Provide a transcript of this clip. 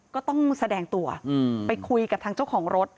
ก็ต้องแสดงตัวไปคุยกับทางเจ้าของรถ